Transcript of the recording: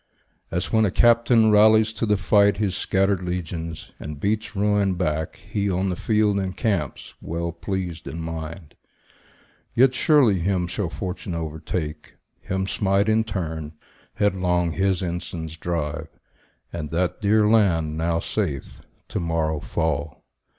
As when a captain rallies to the fight His scattered legions, and beats ruin back, He, on the field, encamps, well pleased in mind. Yet surely him shall fortune overtake, Him smite in turn, headlong his ensigns drive; And that dear land, now safe, to morrow fall.